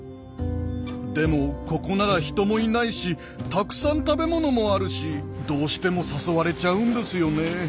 でもここなら人もいないしたくさん食べ物もあるしどうしても誘われちゃうんですよね。